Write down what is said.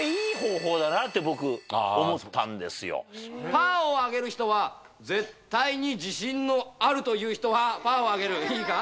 パーを挙げる人は絶対に自信のあるという人はパーを挙げるいいか。